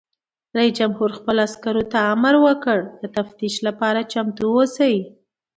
رئیس جمهور خپلو عسکرو ته امر وکړ؛ د تفتیش لپاره چمتو اوسئ!